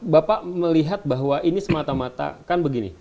bapak melihat bahwa ini semata mata kan begini